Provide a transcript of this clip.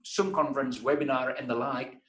webinar konferensi zoom dan lain lain